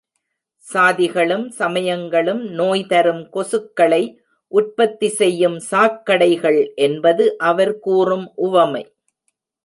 சாதிகளும் சமயங்களும் நோய் தரும் கொசுக்களை உற்பத்தி செய்யும் சாக்கடைகள் என்பது அவர் கூறும் உவமை.